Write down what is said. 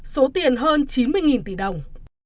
số tiền hơn chín mươi tỷ đồng